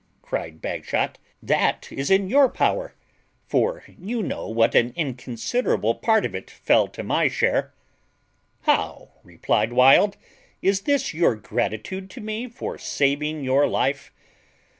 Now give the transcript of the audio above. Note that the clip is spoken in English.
cryed Bagshot, "that is in your power: for you know what an inconsiderable part of it fell to my share." "How!" replied Wild, "is this your gratitude to me for saving your life?